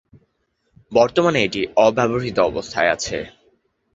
এটি বর্তমানে অব্যবহৃত অবস্থায় আছে।